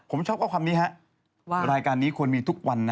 ผมชอบก็ความนี้รายการนี้ควรมีทุกวันนะ